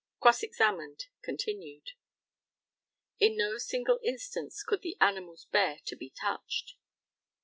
Cross examined continued: In no single instance could the animals bear to be touched.